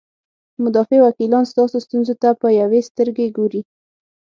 مدافع وکیلان ستاسو ستونزو ته په یوې سترګې ګوري.